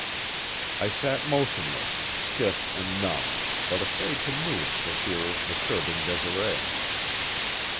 I sat motionless, stiff and numb, but afraid to move for fear of disturbing Desiree.